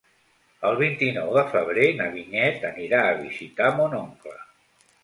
El vint-i-nou de febrer na Vinyet anirà a visitar mon oncle.